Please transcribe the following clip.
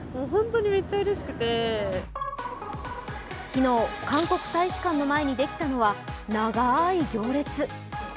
昨日、韓国大使館の前にできたのは、長い行列。